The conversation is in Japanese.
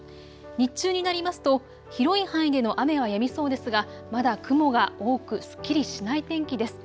日中になりますと広い範囲での雨はやみそうですがまだ雲が多くすっきりしない天気です。